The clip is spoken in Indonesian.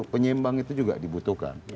penyeimbang itu juga dibutuhkan